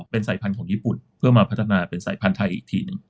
เป็นสายพันธุ์ของญี่ปุ่นเพื่อมาพัฒนาเป็นสายพันธุ์ไทยอีกทีหนึ่ง